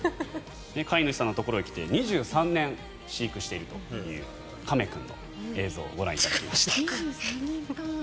飼い主さんのところに来て２３年飼育しているというかめ君の映像をご覧いただきました。